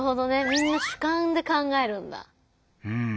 みんな主観で考えるんだ。